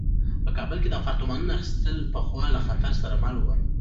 په کابل کې د اپارتمانونو اخیستل پخوا له خطر سره مل وو.